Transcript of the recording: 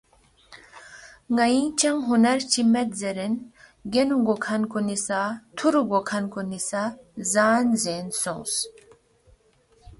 ن٘ئِنگ چنگ ہُنر چی مید زیرین گینُو گوکھن کُنی سہ تھُورو گوا کھن کُنی سہ زان زین سونگس